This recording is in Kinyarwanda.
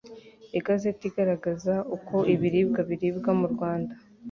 igazeti igaragaza uko ibiribwa biribwa mu rwanda